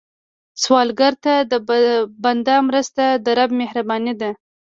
سوالګر ته د بنده مرسته، د رب مهرباني ده